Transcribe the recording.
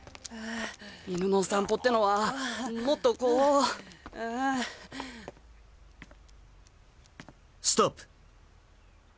犬の散歩ってのはもっとこうストップ。